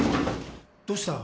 どうした？